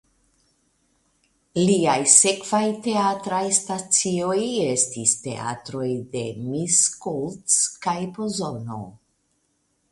Liaj sekvaj teatraj stacioj estis teatroj de Miskolc kaj Pozono.